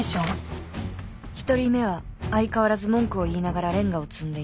１人目は相変わらず文句を言いながらレンガを積んでいた。